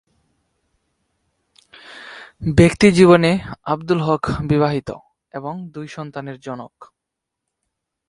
ব্যক্তিজীবনে আব্দুল হক বিবাহিত এবং দুই সন্তানের জনক।